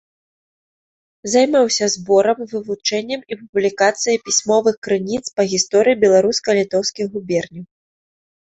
Займаўся зборам, вывучэннем і публікацыяй пісьмовых крыніц па гісторыі беларуска-літоўскіх губерняў.